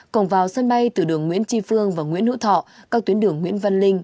cổng vào sân bay từ đường nguyễn tri phương và nguyễn hữu thọ các tuyến đường nguyễn văn linh